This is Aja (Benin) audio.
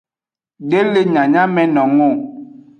De le nyanyamenung o.